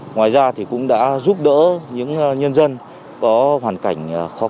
ngoài ra thì cũng đã giúp đỡ những nhân dân có hoàn cảnh